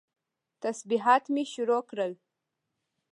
تسبيحات مې شروع کړل.